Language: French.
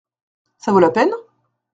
Ça vaut la peine ?